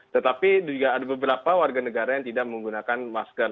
tetapi juga ada beberapa warga negara yang tidak menggunakan masker